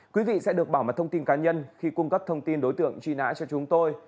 quý vị sẽ được bảo mật thông tin cá nhân khi cung cấp thông tin đối tượng truy nã cho chúng tôi